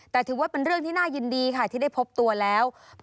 แต่ถือว่าเป็นเรื่องที่น่ายินดีค่ะที่ได้พบตัวแล้ว